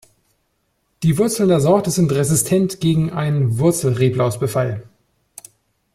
Die Wurzeln der Sorte sind resistent gegen einen Wurzel-Reblausbefall.